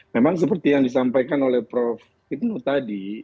memang seperti yang disampaikan oleh prof hipnu tadi